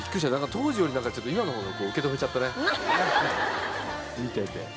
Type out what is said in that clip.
当時よりなんかちょっと今の方が受け止めちゃったね見てて。